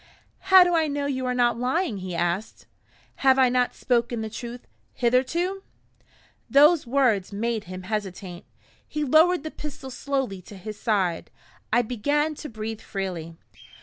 "How do I know you are not lying?" he asked. "Have I not spoken the truth, hitherto?" Those words made him hesitate. He lowered the pistol slowly to his side. I began to breathe freely.